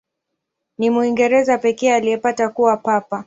Ni Mwingereza pekee aliyepata kuwa Papa.